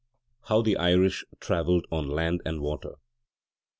HOW THE IRISH TRAVELLED ON LAND AND WATER.